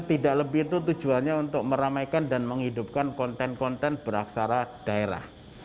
tidak lebih itu tujuannya untuk meramaikan dan menghidupkan konten konten beraksara daerah